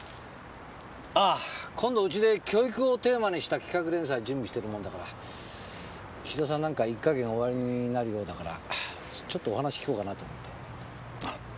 あぁ今度ウチで教育をテーマにした企画連載準備してるもんだから岸田さん何か一家言おありになるようだからちょっとお話聞こうかなと思って。